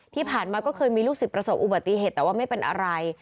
ที่ผ่านมาก็เคยมีลูกศิษย์ประสบอุบัติเหตุแต่ว่าไม่เป็นอะไร